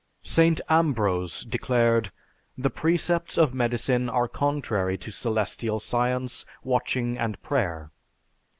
St. Ambrose declared, "The precepts of medicine are contrary to celestial science, watching and prayer."